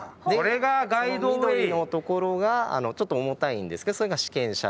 その緑のところがちょっと重たいんですけどそれが試験車両。